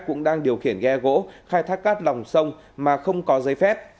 cũng đang điều khiển ghe gỗ khai thác cát lòng sông mà không có giấy phép